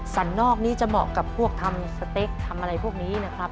นอกนี้จะเหมาะกับพวกทำสเต็กทำอะไรพวกนี้นะครับ